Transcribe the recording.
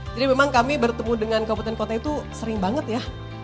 jadi memang kami bertemu dengan kabupaten kota itu sering banget ya